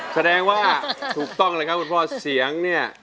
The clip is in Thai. แสดงว่าถูกต้องเลยครับคุณพ่อเสียงเนี่ย